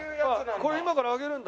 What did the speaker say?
これ今から揚げるんだ。